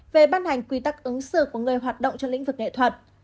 về ban hành quy tắc ứng xử của người hoạt động trong lĩnh vực nghệ thuật